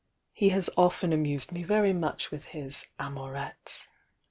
'He has often amused me very much with his amourettes.'